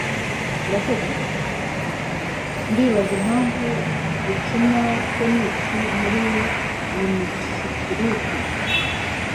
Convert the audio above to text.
Ndibaza impamvu dukina tennis muri miniskirts.